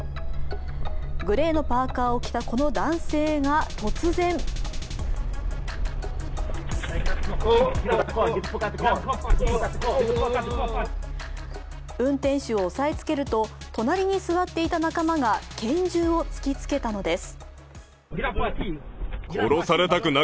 グレーのパーカーを着たこの男性が突然運転手を押さえつけると隣に座っていた仲間が拳銃を突きつけたのです。